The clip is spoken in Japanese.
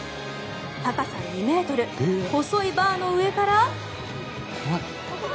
高さ２ｍ細いバーの上から。